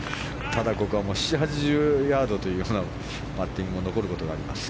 ただ、ここは７０８０ヤードというパッティングが残ることがあります。